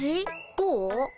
どう？